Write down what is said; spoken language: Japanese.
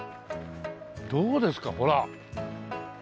どうですかほら。